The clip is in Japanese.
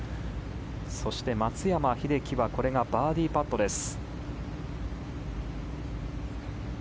そして松山英樹はこれがバーディーパットです。